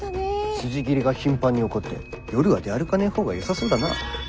・つじ斬りが頻繁に起こって夜は出歩かねえ方がよさそうだな。